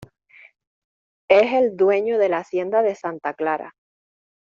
Es el dueño de la hacienda de santa clara.